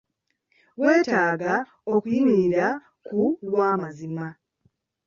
Wetaaga okuyimirira ku lw'amazima.